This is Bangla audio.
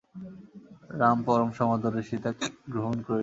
রাম পরম সমাদরে সীতাকে গ্রহণ করিলেন।